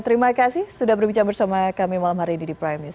terima kasih sudah berbicara bersama kami malam hari ini di prime news